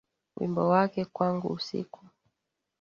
Wimbo wake kwangu usiku.